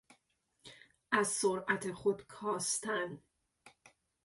از سرعت خود کاستن